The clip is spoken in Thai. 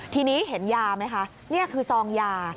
ทีนี้เห็นยาไหมคะนี่คือซองยา